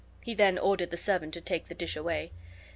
He then ordered the servant to take the dish away.